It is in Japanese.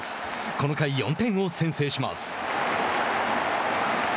この回、４点を先制します。